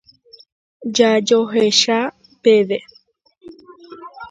Jajoecha peve.